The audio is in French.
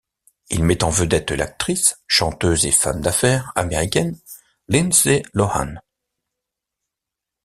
Il met en vedette l'actrice, chanteuse et femme d'affaires américaine Lindsay Lohan.